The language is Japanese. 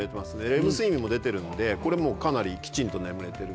レム睡眠も出てるのでこれもうかなりきちんと眠れてる。